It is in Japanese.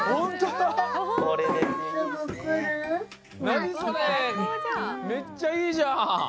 なにそれめっちゃいいじゃん！